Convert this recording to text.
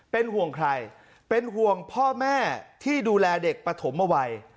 เป็นห่วงใครเป็นห่วงพ่อแม่ที่ดูแลเด็กปฐมเอาไว้